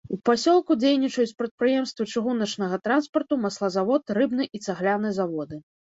У пасёлку дзейнічаюць прадпрыемствы чыгуначнага транспарту, маслазавод, рыбны і цагляны заводы.